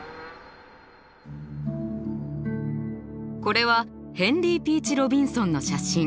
これはヘンリー・ピーチ・ロビンソンの写真。